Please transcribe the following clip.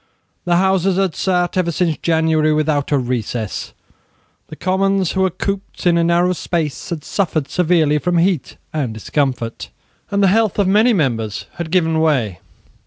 The Houses had sate ever since January without a recess. The Commons, who were cooped up in a narrow space, had suffered severely from heat and discomfort; and the health of many members had given way.